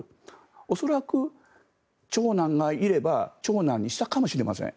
恐らく、長男がいれば長男にしたかもしれません。